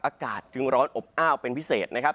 อากาศจึงร้อนอบอ้าวเป็นพิเศษนะครับ